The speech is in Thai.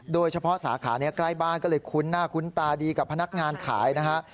สาขานี้ใกล้บ้านก็เลยคุ้นหน้าคุ้นตาดีกับพนักงานขายนะฮะ